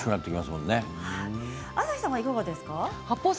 朝日さんは、いかがですか。